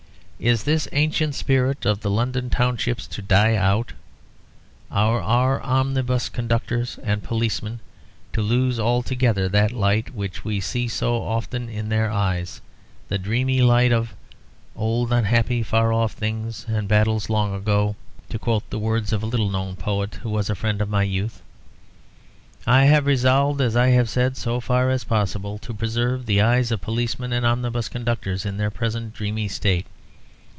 Is this ancient spirit of the London townships to die out? Are our omnibus conductors and policemen to lose altogether that light which we see so often in their eyes, the dreamy light of 'Old unhappy far off things And battles long ago' to quote the words of a little known poet who was a friend of my youth? I have resolved, as I have said, so far as possible, to preserve the eyes of policemen and omnibus conductors in their present dreamy state.